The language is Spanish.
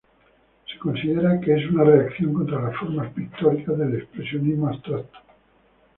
Se considera que es una reacción contra las formas pictóricas del expresionismo abstracto.